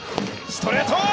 ストレート！